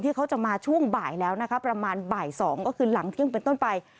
เขาจะมาช่วงบ่ายแล้วนะคะประมาณบ่าย๒ก็คือหลังเที่ยงเป็นต้นไป